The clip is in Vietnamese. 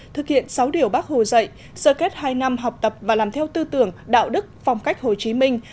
thực hiện sáu điều bác hồ dạy sơ kết hai năm học tập và làm theo tư tưởng đạo đức phong cách hồ chí minh